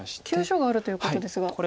急所があるということですが。